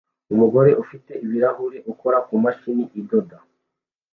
Umugore ufite ibirahuri ukora kumashini idoda